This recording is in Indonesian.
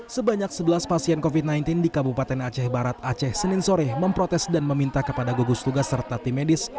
sebanyak sebelas pasien covid sembilan belas di kabupaten aceh barat aceh senin sore memprotes dan meminta kepada gugus tugas serta tim medis